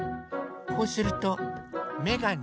こうするとめがね。